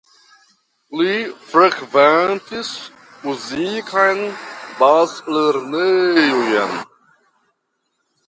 Li frekventis muzikan bazlernejon.